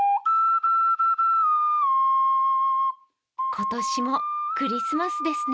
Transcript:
今年もクリスマスですね。